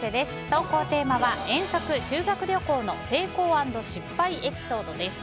投稿テーマは、遠足＆修学旅行の成功＆失敗エピソードです。